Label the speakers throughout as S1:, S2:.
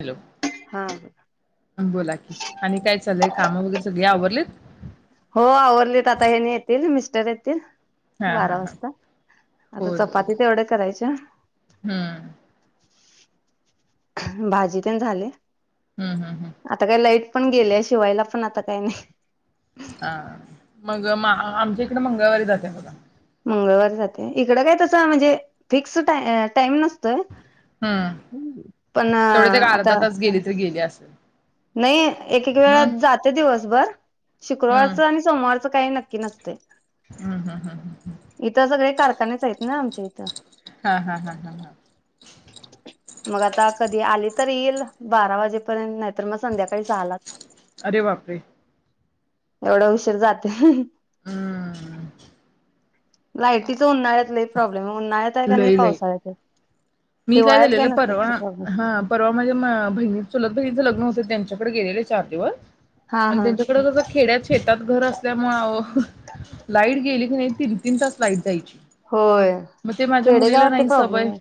S1: Hello
S2: हा
S1: बोला की आणि काय चालय काम वगैरे सगळी आवर [unintelligible]
S2: हो आवरली त आता हेनी येतील मिस्टर येतील
S1: हा हा
S2: बारा
S1: हा
S2: वाजता आता
S1: होय होय
S2: चपाती तेवढ्या करायच्या
S1: हम्म
S2: भाजीतेन झाली
S1: हम्म हम्म हम्म
S2: पण गेल्या शिवायला पण आता काही नाही
S1: हा. मग आमच्या इकडे मंगळवारी जाते बघा
S2: मंगळवारी जाते इकडं काय तस म्हणजे फिक्स टाइ अ टाइम नसत
S1: हम्म
S2: पण
S1: तेवढेच एक अर्धा
S2: आता
S1: तास गेली तरी गेली अस [inaudible]
S2: नाही एक एक वेळा जाते दिवस बर
S1: हम्म
S2: शुक्रवारचं आणि सोमवारचं काही नक्की नसत
S1: हम्म हम्म हम्म
S2: इथं सगळे कारखानेच आहेत ना आ ते तर
S1: हा हा हा हा हा
S2: मग आता कधी आली तर येईल बारा वाजेपर्यंत नाही तर मग संध्याकाळी सहालाच
S1: अरे बापरे
S2: एवढा उशीर जाते
S1: हम
S2: लायटीच उन्हाळ्यात लई प्रॉब्लेम आहे उन्हाळ्यात एक आणि
S1: लई लई
S2: पावसाळ्यात एक
S1: मी काय झालेलं परवा हा परवा म्हझे बहिणी चलत बहिणीच लग्न होत त्यांच्याकडे गेलेले चार दिवस
S2: हा
S1: आणि
S2: हा
S1: त्यांच्याकड जसं खेड्यात शेतात घर असल्यामुंळ आयो लाईट गेली की नाही तीन तीन तास लाईट जायची
S2: होय
S1: मग ते माझ्या मुलीला
S2: खेडेगावात ते
S1: नाही
S2: प्रॉब्लेम
S1: सवय
S2: आहे.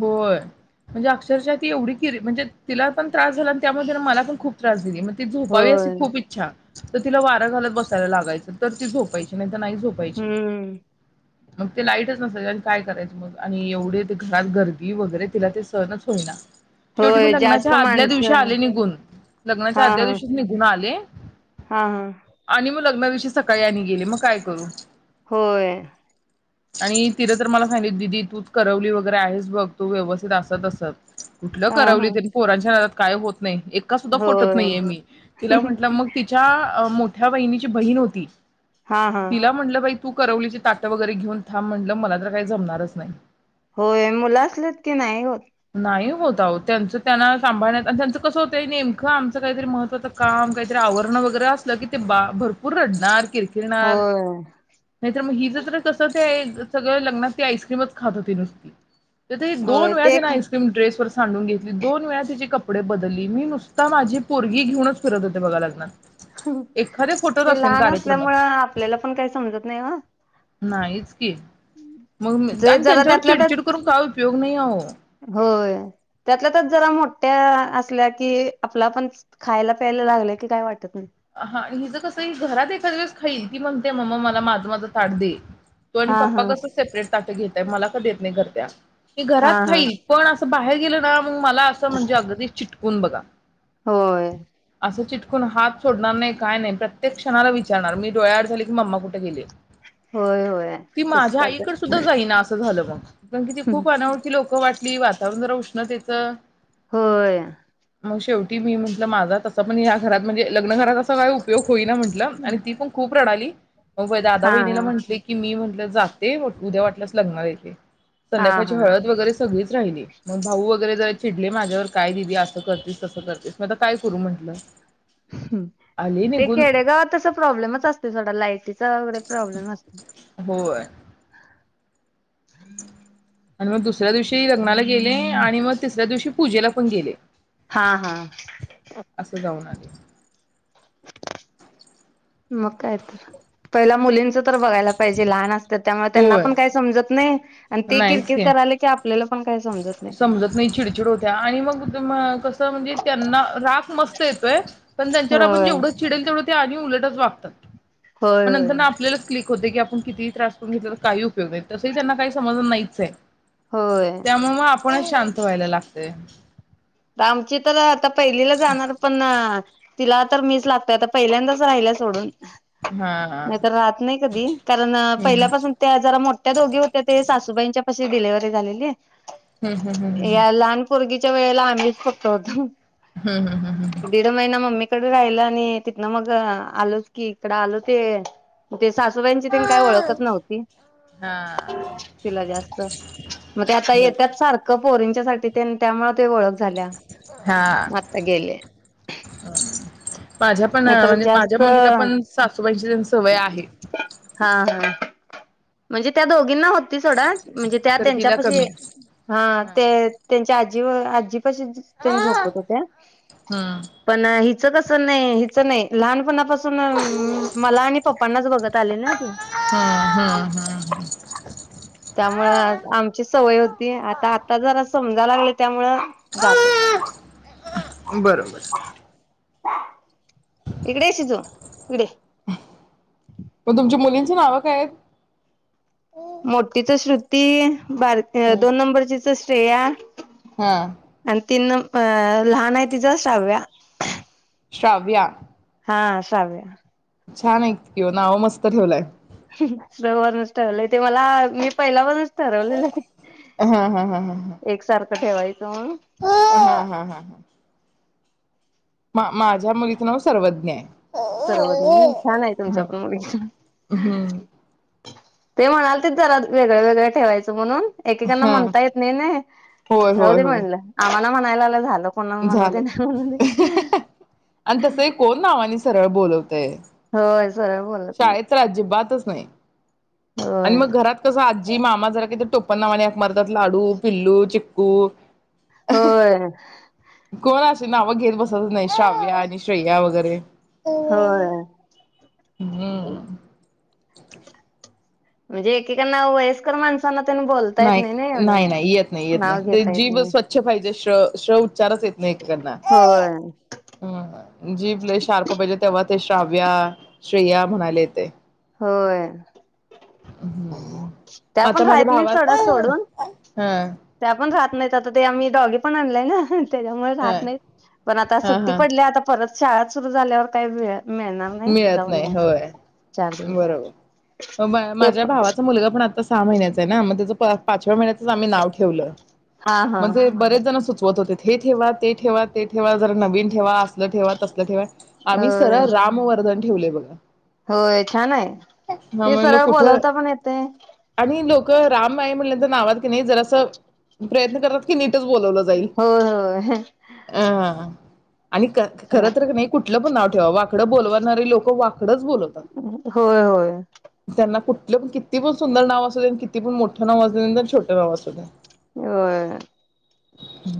S1: होय म्हणजे अक्षरशः ती एवढी किरी म्हणजे तिला पण त्रास झाला आणि त्यामुळे मला पण खूप त्रास दिली ती झोपावी अशी
S2: होय
S1: खूप इच्छा त तिला वारा घालत बसायला लागायचं तच ती झोपायची नाही नाही झोपायची
S2: हम्म
S1: मग ते लाईटच नसायच काय करायचं मग आणि एवढे ते घरात गर्द वी वगैरे तिला ते सहणच होईना शेवटी मी
S2: होय जास्त
S1: लग्नाच्या आदल्या दिवशी
S2: माणसं
S1: आले निघून लग्नाच्या
S2: हा
S1: आदल्या
S2: हा
S1: दिवशी निघून आले
S2: हा हा
S1: लग्नाच्या दिवशी सकाळी आणि गेले मग काय करू
S2: होय
S1: आणि तिनं तर मला सांगितली दिदी तुच करवली वगैरे आहेस बघ तू व्यवस्थित अस तस कुठलं
S2: हा
S1: करवली
S2: हा
S1: तेन पोरांच्या नादात काय होत एका सुद्धा फुटत
S2: होय
S1: नाहीये मी तिला म्हंटलं मग तिच्या मो ठ्या बहिणीची बहीण होती.
S2: हा हा
S1: तिला म्हणलं बाई तू करवलीचे ताटं वगैरे घेऊन थांब म्हटलं मला तर काय जमणारच नाय
S2: होय मुला असलं की नाही होत.
S1: नाही होत त्यांचं त्यांना सांभाळण्यात आणि त्यांचं कसं होतं नेमकं आमचं काहीतरी महत्त्वाचं काम काहीतरी आवरण वगैरे असलं की ते बा भरपूर रडणार किरकिरणार
S2: होय
S1: नाही तर मग हिज [unintelligible] कसं ते सगळं लग्नात ती आईस्क्रीमच खात होती नुसती तर ती
S2: होय ते
S1: दोनेळातिने आईक्रीम ड्रेस वर सांडून घेतली दोन वेळा तिची कपडी पुढे बदलली मी नुसता माझी पोरगी घेऊनच फिरत होते बघा लग्नात एखाद्या फोटोत
S2: ते
S1: असेन
S2: लहान
S1: कार्यक्रमात
S2: असल्यामुळे आपल्याला पण काही समजत नाही हो
S1: नाहीच मग
S2: जे
S1: आणि
S2: जरा
S1: त्यांच्यावर
S2: त्यातल्या त्यात
S1: चिडचिड करून काय उ
S2: होय त्यातल्यात्यात जरा मोठ त असल्या कि आपला पण खायला प्यायला लागल्या की काय वाटत नाही.
S1: हा आणि हिजं कसं ही घरात एखाद वळेस खाईल ती म्हणते मम्मा मला माझं माझं ताट दे तो आणि
S2: हा हा
S1: पप्पा कस सेपरेट ताटं घेतताय मला देत नाई करत्या मी
S2: हा
S1: घरात
S2: हा
S1: खाईल पण बाहेर गेलं ना मला अस म्हणेज असं चिट कोण बघा
S2: होय
S1: कोण हात सोडणार नाही, काय नाही अन प्रत्येक क्षणाला विचारणार मी डोळ्याआड झाली की मम्मा कुठे गेलीए?
S2: होय होय.
S1: ती
S2: तस
S1: माझ्या
S2: करतात.
S1: आईकड सुद्धा जाईना असं झाल ग कारण की ती खूप अनोळखी लोक वाट- ते वातावरण जर उष्णतेचं
S2: होय
S1: मग शेवटी मी म्हटलं माझ तस पण ह्या घरात म्हणजे लग्न घराचा असा काय उपयोग होईना म्हटलं आणि ती पण खूप खूप रडाली. दादा
S2: हा
S1: वहिनीला
S2: हा
S1: म्हटले की मी म्हण जाते उद्या वाटल्यास लग्नाला येते.
S2: हा
S1: संध्याकाळची
S2: हा
S1: हळद वगैरे सगळेच राहिली मग भाऊ वगैरे जरा चिडले माझ्यावर काय दिदी असं करतेस तसं करतेस मग आता काय करू म्हंटलं. आले
S2: ते
S1: निघून
S2: खेडेगावात तस प्रॉब्लेमच असतो सोडा लाइटीचा वगैरे प्रॉब्लेम असतो. [inaudible]
S1: होय [unintelligible] दुसऱ्या दिवशी लग्नाला गेले आणि मग तिसऱ्या दिवशी पूजेला पण गेले.
S2: हा हा
S1: असं जाऊन आले
S2: मग काय तर पहिला मुलींच तर बघायला पाहिजे लहान असते त्यामुळे त्यांना
S1: होय
S2: पण काय समजत नाही. आणि ते
S1: नाहीच
S2: किरकिर
S1: की
S2: करायले आपल्याला पण काही समजत नाही
S1: समजत नाही चिडचिड होत्या आणि मग कस म्हणजे त्यांना राग मस्त येतोय पण त्यांच्यावर आपण
S2: होय
S1: जेवढ चिडल तेवढ आणि उलटच वाग
S2: होय
S1: मग
S2: होय
S1: नंतर आपल्यालाच क्लि होतोय की आपल्याला किती त्रास काही उपयोग नाही तस ही त्यांना काहीच समजल नाहीच आहे.
S2: होय
S1: कोणाला शांत व्हायला लागतय.
S2: आमची तर आता पहिलीला जाणार पण तिला तर मीच लागतोय आता पहिल्यांदाच राहिल्या सोडून.
S1: हा
S2: नाही तर राहत नाही कधी कारण
S1: हम्म
S2: पहिल्यापासून त्या जरा मोठ्या दोघी होत्या ते सासु सासुुबाईंच्यापशी डिलेव्हरी झालेली?
S1: हम्म हम्म हम्म
S2: या
S1: हम्म
S2: लहान पोरगी च्यावेळेला मीच फक्त होतो.
S1: हम्म, हम्म, हम्म, हम्म.
S2: इकडे राहिलं आणि तिथनं मग आलोच की इकड आलो ते सासूबाईची तेन काय
S1: हम्म
S2: ओळखच नव्हती तिला जास्त मग ते आता
S1: हम्म.
S2: येतात सारखं पोरींच्यासाठी तेन ते त्यामुळे ते झाल्या.
S1: हा
S2: आता गेले
S1: माझ्या पण
S2: नाहीतर
S1: म्हणजे माझ्या
S2: जास्त
S1: मुलीला पण सासूबाईची तेन सवय आहे.
S2: हा हा म्हणजे त्या दोघींना होत. ती सोडा म्हणजे त्या
S1: खर हिला
S2: त्यांच्यापशी
S1: कमी
S2: हं
S1: आहे.
S2: ते त्यांच्या आ जीव आजी [unintelligible]
S1: हा
S2: झोपत होते
S1: हम्म
S2: पण हि ह कस नाही हिच नाही लहानपणापासून तेन मला आणि पप्पांनाच बघत आले ना ते.
S1: हम्म हम्म हम्म.
S2: त्यामुळं आमची सवय होती. आता, आता जरा सम लागली त्यामुळं जात येत
S1: बरोबर
S2: इकडे ये शिजू इकडे ये.
S1: पण तुमच्या मुली तुझ नाव काय आहेत?
S2: मोठीच श्रुती. बार दोन नंबरचीच श्रेया.
S1: हा
S2: आणि तीन अ लहान आहे तिच साव्या
S1: श्राव्या
S2: हा शालु आहे.
S1: छान आहे किं ओ नावं मस्त ठेवलाय.
S2: स वरणच ठेवलंय ते मला मी पहिल्यावरून
S1: हा हा हा हा हा
S2: ठेवाय
S1: हा, हा, हा, हा. हा. माझ्या मुलीचं नाव सर्वज्ञा आहे.
S2: सर्वच छान आहे तुमचा
S1: हा
S2: पण मुलगा
S1: हम्म
S2: ते म्हणातेत जरा वेगळ्या वेगळं ठेवायचं म्हणून एकेकांना
S1: हा
S2: म्हणता येत नाही ना
S1: होय होय
S2: राहूदेत
S1: होय
S2: म्हणलं आम्हाला म्हयला आल झालं कोणाला म्हणू दे नाही म्हणू दे
S1: झालंय आणि तस कोण नावानी सरळ बोलवतय
S2: हो [inaudible]
S1: शाळेत तर अजिबातच नाही आणि
S2: होय
S1: मग घरात कसं आ जी मामा जरा कि टोप्पन नावाने हाक मारतात लाडू पिल्लू चिक्कू
S2: होय
S1: नाव घेत बसत नाही श्राव्या आणि श्रेया वगैरे
S2: होय
S1: हम्
S2: म्हणजे एकेकांना वयस्कर माणसाांना
S1: नाही नाही नाही येत नाही येत
S2: नाव
S1: नाही ते
S2: घेता येत
S1: जीभ
S2: नाही
S1: स्वच्छ पाहिजे श्र श्रौ उच्चरच येत नाही एकेकांना
S2: होय
S1: जीभ लय शार्प पाहिजे तेव्हा ते श्राव्या श्रेया म्हणायला येतय
S2: होय
S1: ह
S2: त्या पण राहत नाही सोडा सोडून
S1: हा
S2: त्या पण राहत नाही आता ते आम्ही डॉगी पण आणलाय ना त्याच्यामुळे
S1: हा
S2: राहत नाही पण आता
S1: हा
S2: सुट्टी
S1: हा
S2: पडल्या आता परत शाळा सुरु झाल्यावर काही वेळ मिळणार नाही
S1: मिळत
S2: जाऊन
S1: नाही
S2: यायचं.
S1: होय
S2: चार दिवस
S1: बरोबर
S2: ते
S1: माझ्या
S2: पण
S1: भावाचा मुलगा पण आ सहा महिन्याचा आहे ना मग त्या पाचव्या महिन्याच आम्ही नाव ठेवल
S2: हा हा
S1: म्हणजे बरेच जण सुचवत होतेत. हे ठेवा ते ठेवा ते ठेवा जरा नवीन ठेवा असल ठेवा तसल ठेवा आम्ही
S2: होय
S1: सरळ राम वर्दन ठेवयय बघ
S2: होय छान आहे ते
S1: म्हणलं
S2: सरळ बोलावता पण येतय
S1: रामई म्हणल्या नावात की नाही जरास प्रयत्न करत कि नीटच बोलवलं जाईल
S2: होय होय.
S1: अं आणि ख- खर तर कणी कु तिला पण नाव ठेवावात इकड बोलवणारी लो वाकडच बोलवतात
S2: होय होय
S1: त्यांना कुठ पण किती पण सुंदर नाव असु दे आणि किती पण मोठ नाव असुदे नाही तर छोटं नाव असु दे
S2: होय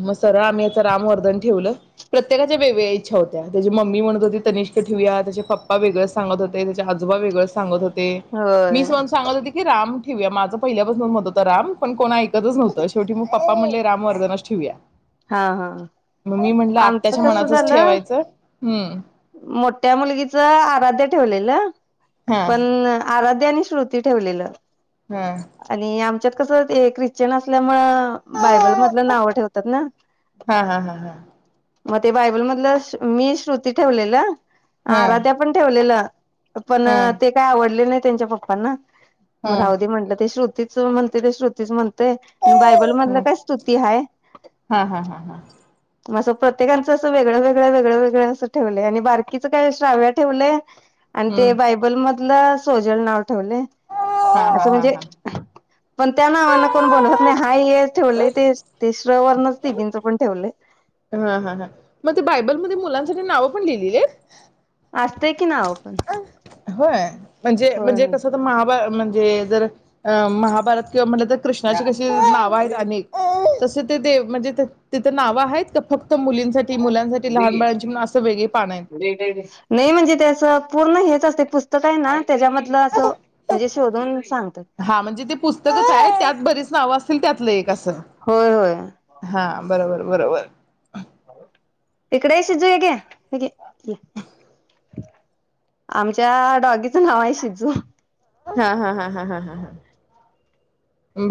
S1: मग सरळ आम्ही याच रामवर्धन ठेवलं प्रत्येकाच्या बेबी इच्छा होत्या त्याची मम्मी म्हणत होती तनिष ठेऊया त्याचे पप्पा वेगळ सांगत होते, त्याचे आजोबा वेगळ सांगत हो ते
S2: होय
S1: मीच म्हण सांगत होते की राम ठिउया माझं पहिल्यापासन मत होतं राम पण कोण ऐकतच नव्हतं शेवटी मग पप्पा म्हणले रामवर्धनच ठेऊया
S2: हा हा
S1: मग मी म्हटलं
S2: आमचं
S1: आत्याच्या
S2: कसं
S1: मनाचच
S2: झालं
S1: ठेवायचं हम्म
S2: त्या मुलगीच आराध्या ठेवलेलं
S1: हा
S2: पण आरा तेनी श्रुती ठेवलेलं
S1: हा
S2: आणि आमच्या कस ते ख्रिश्चन असल्यामुळ बायबल मधलं नाव ठेवतात ना
S1: हा हा हा हा
S2: मग ते बायबल मधलं मी श्रुती ठेवलेलं
S1: हा
S2: आराध्या पण ठेवलेलं पण
S1: हा
S2: ते काय आवडले नाही त्यांच्या पप्पांना मग
S1: हा
S2: राहू दे म्हटलं ते श्रु तिचं म्हणते ते श्रुतीच म्हण आणि बायबल मधलं
S1: हा
S2: काय स्तुती हाय
S1: हा हा हा हा
S2: मग अस प्रत्येकाच असं वेगळं वेगळं वेगळं वेगळं असं ठेवलंय आणि बारकीचं काय श्राव्या ठेवलंय आणि ते
S1: हम्म
S2: बायबल म सोजल नाव ठेवलंय
S1: हा हा
S2: असं
S1: हा
S2: म्हणजे
S1: हा
S2: पण त्या नावान कोण बोलवत नाही हाय हेच ठेवले ते श्र वर्णच तिघींच पण ठेवलंय.
S1: हा हा हा हा मग ते बायबल मध्ये मुलांनसाठी नाव पण लिहिलेलीत
S2: आसतय कि नांव पण
S1: व्हय म्हणजे
S2: होय
S1: म्हणजे
S2: होय
S1: कसं तर महाभा म्हणजे जर महाभारत किंवा म्हटलं तर कृष्णाची कशी नावं आहेत अनेक तस म्हणजे तिथं नावं आहेत का फक्त मुलींसाठी मुलांसाठी लहान बाळांची म्हणून असं वेगळी पान आहेत.
S2: नाही म्हणजे ते असं पूर्ण हे तसचं असतय पुस्तक हाय ना तेच्यामधलं असं म्हणजे शोधून सांगतात.
S1: बरीचं नाव असतील त्यातल एक असं
S2: होय होय
S1: हा बरं बरं बरोबर
S2: इकडे ये शिजु हे घे आमच्या डॉगीच नाव आहे शिजु.
S1: हा हा हा हा हा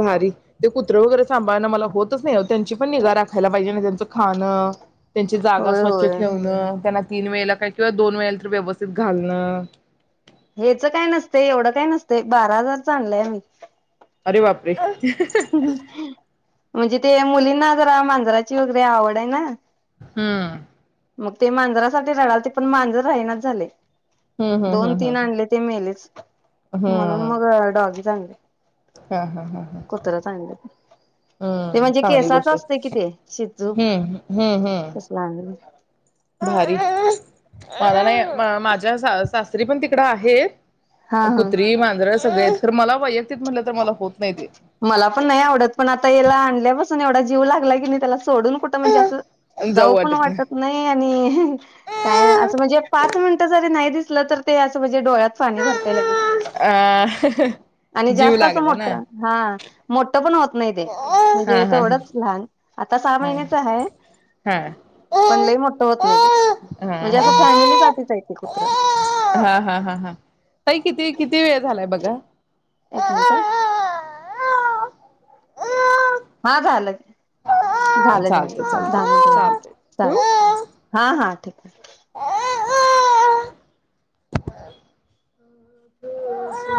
S1: बारी ते कुत्र वैगेरे साभाळनं मला होतच नाही ओ त्यांची पण निघा राखायला पाहिजे त्याच खाणं त्यांची जागा
S2: होय
S1: स्वच्छ
S2: होय
S1: ठेवण त्यांना तीन वेळेला काय किंवा दोन वेळेला तरी व्यवस्थित घालणं.
S2: हेच काय नसतं येवढं काय नसतंय बारा हजारचं आणलय आम्ही
S1: अरे बाप
S2: म्हणजे ते मुली ना जरा मांजरांची वैगेरे आवड आहे ना.
S1: हम्म
S2: मग ते माजंरासाठी रडालती पण मांजर राहिनाच झालयं.
S1: हम्म हम्म
S2: दोन
S1: हम्म
S2: तीन
S1: हम्म
S2: आणलीती ती मेलीच म्हणून
S1: हम्म
S2: मग डॉगी चांगलय.
S1: हा हा हा
S2: कुत्राच आणलं मग ते
S1: हम्म
S2: म्हणजे
S1: चांगली
S2: केसाचे
S1: गोष्ट
S2: आसतयं
S1: आहे.
S2: की ते शिजू
S1: हम्म
S2: तसलं आणलयं.
S1: भारीचं मला नाही मा माझ्या सास सासरीपण तिकडे आहे
S2: हा हा
S1: कुत्री माजंर सगळी आहेत पण मला वैयक्तिक म्हणलं तर मला होत. नाही ते
S2: मला पण नाही आवडत पण आता ह्याला आणल्यापासुन येवढा जीव जीव लागला की न त्याला सोडून कुठ म्हणजे असं जाऊ पण वाटत नाही. आणि काय
S1: नाही
S2: असं म्हणजे पाच मिनिट जरी नाही दिसल तरं असं म्हणजे डोळ्यात पाणी भरतयं लगेच
S1: हा अ
S2: आणि
S1: जीव
S2: जास्त असं
S1: लागला ना
S2: मोठ हा मोठपण होत. होत नाही ते म्हणजे
S1: हा हा हा
S2: तेवढंच लहान आता सहा महिन्याच हाय.
S1: हा हा हा
S2: पण लय मोठं होत नाही ते. असं फॅमिलीसाठीच हाय ते कुत्र.
S1: हा हा हा हा ताई किती कितीवेळ झालाय बघा
S2: एक मिनिट हा झालं. झालंय झालं
S1: चालतय
S2: दहा मिनिट
S1: चालतय
S2: झाली
S1: चालतय
S2: चालतंय हा हा ठेव. [inaudible]
S1: [unintelligible] [unintelligible]